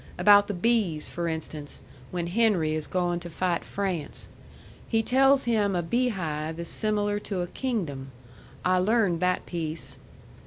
About the bees, for instance, when Henry is going to fight France. He tells him a beehive is similar to a kingdom. I learned that piece."